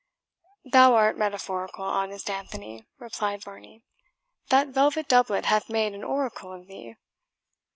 "Thou art metaphorical, honest Anthony," replied Varney; "that velvet doublet hath made an oracle of thee.